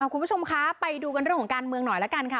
คุณผู้ชมคะไปดูกันเรื่องของการเมืองหน่อยละกันค่ะ